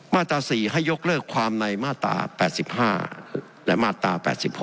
มาตรา๔ให้ยกเลิกความในมาตรา๘๕และมาตรา๘๖